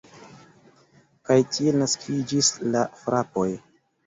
Kaj tiel naskiĝis la frapoj.